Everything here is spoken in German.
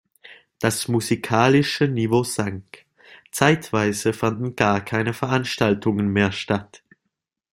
Das musikalische Niveau sank, zeitweise fanden gar keine Veranstaltungen mehr statt.